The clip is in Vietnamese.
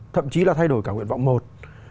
thậm chí là thay đổi cả nguyện vọng một